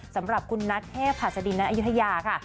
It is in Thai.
สำหรับคุณณเทพศดีนัตยุทยาค่ะ